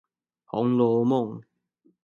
紅樓夢